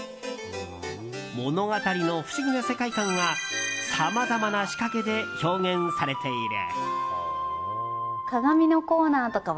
物語の不思議な世界観がさまざまなしかけで表現されている。